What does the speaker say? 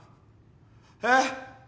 えっ？